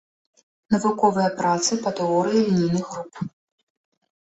Навуковыя працы па тэорыі лінейных груп.